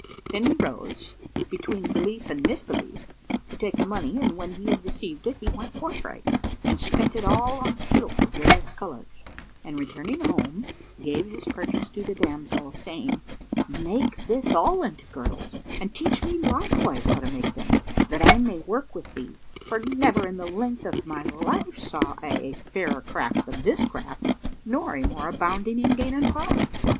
Then he rose, between belief and misbelief, to take the money and when he had received it, he went forthright and spent it all on silk of various colours and returning home, gave his purchase to the damsel, saying, "Make this all into girdles and teach me likewise how to make them, that I may work with thee; for never in the length of my life saw I a fairer craft than this craft nor a more abounding in gain and profit.